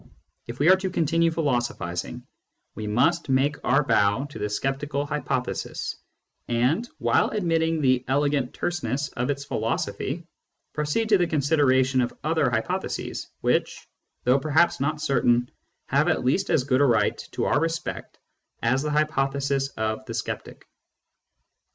If we are to continue philosophising, we must make our bow to the sceptical hypothesis, and, while admitting the elegant terseness of its philosophy, proceed to the con sideration of other hypotheses which, though perhaps not certain, have at least as good a right to our respect as the hypothesis of the sceptic.